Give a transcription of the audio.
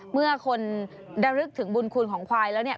เมื่อคนระลึกถึงบุญคุณของควายแล้วเนี่ย